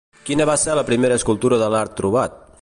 Quina va ser la primera escultura de l'art trobat?